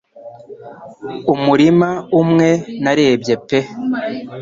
Umurima umwe narebye pe